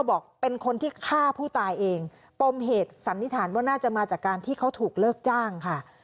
บอกเป็นคนที่ฆ่าผู้ตายเองปมเหตุสันนิษฐานว่าน่าจะมาจากการที่เขาถูกเลิกจ้างค่ะ